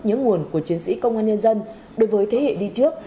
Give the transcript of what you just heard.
những nguồn của chiến sĩ công an nhân dân đối với thế hệ đi trước